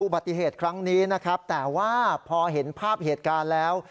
ปฏิเหตุครั้งนี้นะครับแต่ว่าพอเห็นภาพเหตุการณ์แล้ว